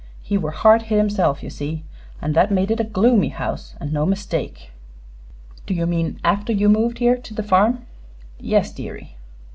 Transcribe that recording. He were hard hit himself, ye see, an' that made it a gloomy house, an' no mistake." "Do you mean after you moved here, to the farm?" "Yes, deary."